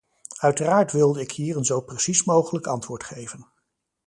Uiteraard wilde ik hier een zo precies mogelijk antwoord geven.